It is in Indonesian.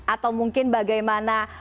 atau mungkin bagaimana